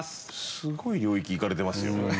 すごい領域行かれてますよ。